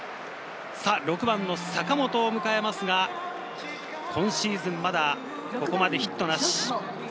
６番・坂本を迎えますが、今シーズンまだここまでヒットなし。